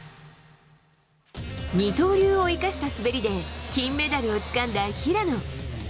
二刀流を生かした滑りで、金メダルをつかんだ平野。